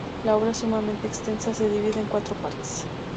La obra, sumamente extensa, se divide en cuatro partes.